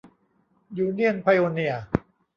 ยูเนี่ยนไพโอเนียร์